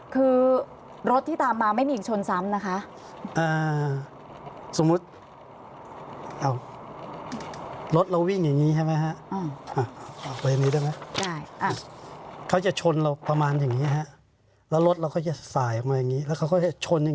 คือรถที่ตามมาไม่มีชนซ้ำนะคะ